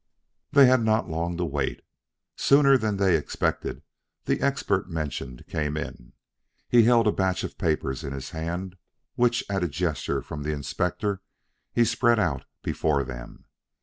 They had not long to wait. Sooner than they expected the expert mentioned came in. He held a batch of papers in his hand, which at a gesture from the Inspector he spread out before them.